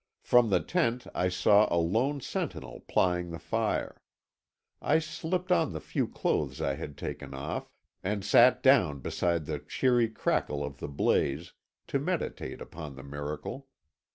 From the tent I saw a lone sentinel plying the fire. I slipped on the few clothes I had taken off, and sat down beside the cheery crackle of the blaze, to meditate upon the miracle.